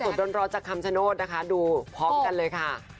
สดร้อนจากคำชโนธนะคะดูพร้อมกันเลยค่ะ